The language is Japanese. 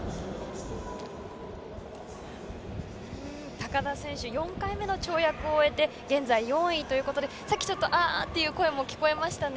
高田選手４回目の跳躍を終えて現在４位ということでさっき、あーという声も聞こえましたね。